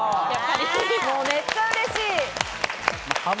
めっちゃうれしい。